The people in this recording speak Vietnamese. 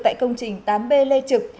tại công trình tám b lê trực